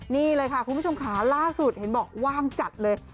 นี่เลยค่ะคุณผู้ชมค่ะล่าสุดเห็นบอกว่างจัดเลย